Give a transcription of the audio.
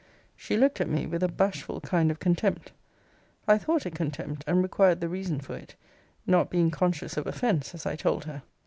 She looked at me with a bashful kind of contempt. I thought it contempt, and required the reason for it; not being conscious of offence, as I told her.